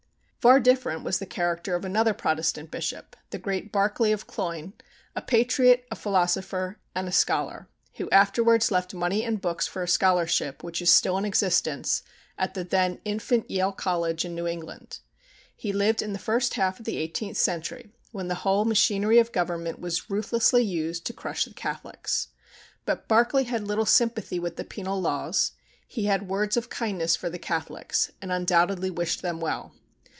Far different was the character of another Protestant bishop, the great Berkeley, of Cloyne, a patriot, a philosopher, and a scholar, who afterwards left money and books for a scholarship, which is still in existence, at the then infant Yale College in New England. He lived in the first half of the eighteenth century, when the whole machinery of government was ruthlessly used to crush the Catholics. But Berkeley had little sympathy with the penal laws; he had words of kindness for the Catholics, and undoubtedly wished them well.